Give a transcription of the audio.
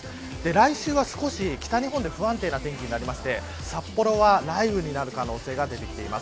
来週は少し北日本で不安定な天気になって札幌では雷雨になる可能性があります。